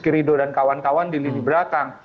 dan sekirido dan kawan kawan di lini belakang